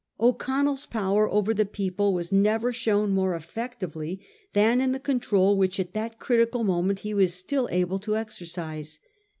O'Connell's power over the people was never shown more effec tively than in the control which at that critical moment he was still able to exercise.